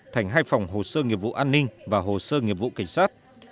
thành hai phòng hồ sơ nghiệp vụ an ninh và hồ sơ nghiệp vụ cảnh sát